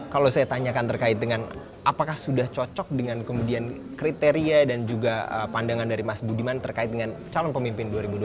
kalau saya tanyakan terkait dengan apakah sudah cocok dengan kemudian kriteria dan juga pandangan dari mas budiman terkait dengan calon pemimpin dua ribu dua puluh